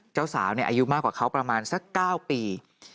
เจ้าสาวอายุมากกว่าเขาประมาณสัก๙ปี